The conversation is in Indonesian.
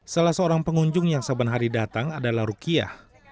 salah seorang pengunjung yang saban hari datang adalah rukiah